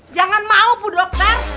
jangan mau bu dokter